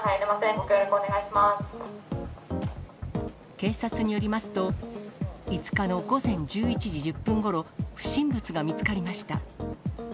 ご協力お願い警察によりますと、５日の午前１１時１０分ごろ、不審物が見つかりました。